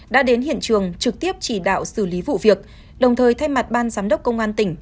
đã đến hiện trường trực tiếp chỉ đạo xử lý vụ việc đồng thời thay mặt ban giám đốc công an tỉnh